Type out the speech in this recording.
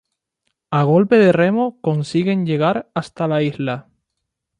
A golpe de remo consiguen llegar hasta la isla.